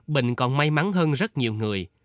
bình còn may mắn hơn rất nhiều người